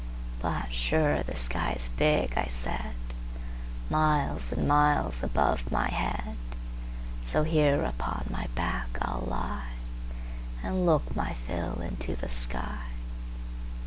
But, sure, the sky is big, I said; Miles and miles above my head; So here upon my back I'll lieAnd look my fill into the sky.